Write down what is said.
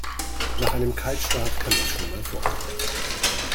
Nach einem Kaltstart kann das schon mal vorkommen.